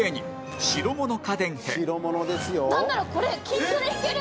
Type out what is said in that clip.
なんならこれ筋トレいける！